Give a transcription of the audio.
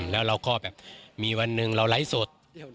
แล้วเราก็แบบมีวันหนึ่งเราไลฟ์สด